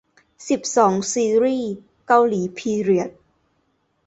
สิบสอง ซีรีส์เกาหลีพีเรียด